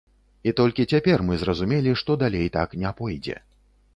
І толькі цяпер мы зразумелі, што далей так не пойдзе.